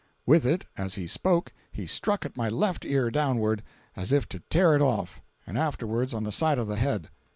With it, as he spoke, he struck at my left ear downwards, as if to tear it off, and afterwards on the side of the head.